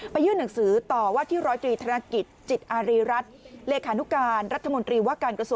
ไปยื่นหนังสือต่อว่าที่๑๑๐โขนาคต